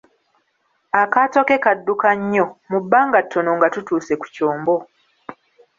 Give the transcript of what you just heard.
Akaato ne kadduka nnyo, mu bbanga ttono nga tutuuse ku kyombo.